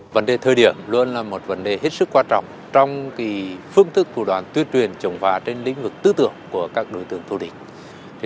vấn đề thời điểm luôn là một vấn đề hết sức quan trọng trong phương thức thủ đoàn tuyên truyền trồng phá trên lĩnh vực tư tưởng của các đối tượng thủ địch